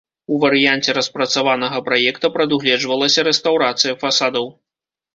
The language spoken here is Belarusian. У варыянце распрацаванага праекта прадугледжвалася рэстаўрацыя фасадаў.